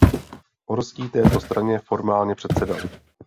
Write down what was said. Horský této straně formálně předsedal.